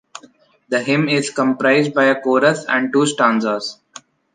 The hymn is comprised by a chorus and two stanzas.